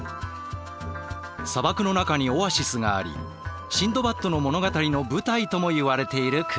砂漠の中にオアシスがありシンドバッドの物語の舞台ともいわれている国。